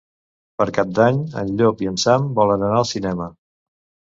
Per Cap d'Any en Llop i en Sam volen anar al cinema.